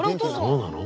そうなの？